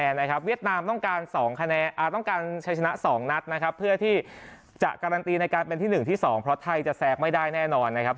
เวียดนามต้องการ๒คะแนนต้องการใช้ชนะ๒นัดนะครับเพื่อที่จะการันตีในการเป็นที่๑ที่๒เพราะไทยจะแซงไม่ได้แน่นอนนะครับ